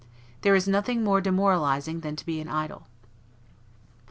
There is nothing more demoralizing than to be an idol.